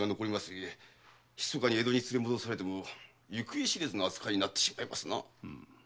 ゆえ密かに江戸に連れ戻されても行方知れずの扱いになりますな。